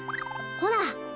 ほら。